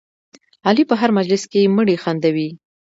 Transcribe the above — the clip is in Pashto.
علي په هر مجلس کې مړي خندوي.